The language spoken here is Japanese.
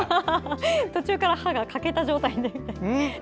途中から歯が欠けた状態に。